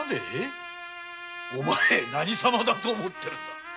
お前は何様だと思っているのだ。